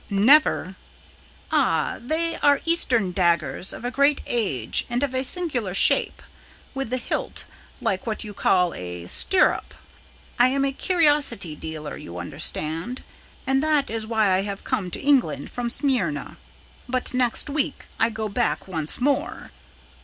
"Never." "Ah, they are Eastern daggers of a great age and of a singular shape, with the hilt like what you call a stirrup. I am a curiosity dealer, you understand, and that is why I have come to England from Smyrna, but next week I go back once more.